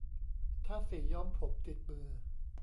ถ้าสีย้อมผมติดมือ